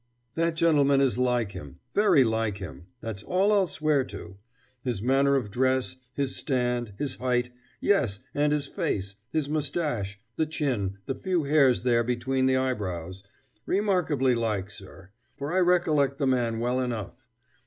"That gentleman is like him very like him that's all I'll swear to. His manner of dress, his stand, his height, yes, and his face, his mustache, the chin, the few hairs there between the eyebrows remarkably like, sir for I recollect the man well enough.